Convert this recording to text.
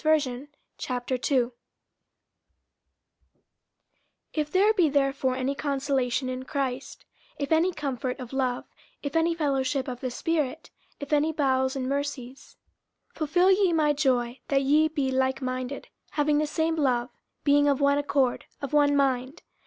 50:002:001 If there be therefore any consolation in Christ, if any comfort of love, if any fellowship of the Spirit, if any bowels and mercies, 50:002:002 Fulfil ye my joy, that ye be likeminded, having the same love, being of one accord, of one mind.